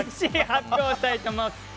発表したいと思います。